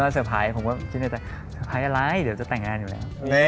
เตอร์ไพรส์ผมก็คิดในใจเตอร์ไพรส์อะไรเดี๋ยวจะแต่งงานอยู่แล้ว